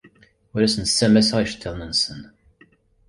Ur asen-ssamaseɣ iceḍḍiḍen-nsen.